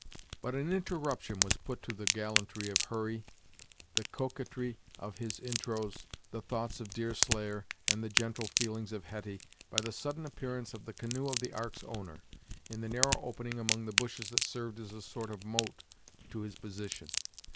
But an interruption was put to the gallantry of Hurry, the coquetry of his intros, the thoughts of Deerslayer, and the gentle feelings of Hetty, by the sudden appearance of the canoe of the ark's owner, in the narrow opening among the bushes that served as a sort of moat to his position.